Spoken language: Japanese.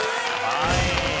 はい。